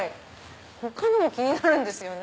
他のも気になるんですよね